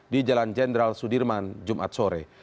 di jalan jenderal sudirman jumat sore